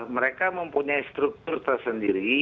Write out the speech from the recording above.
mereka mempunyai struktur tersendiri